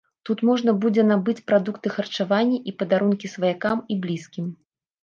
Тут можна будзе набыць прадукты харчавання і падарункі сваякам і блізкім.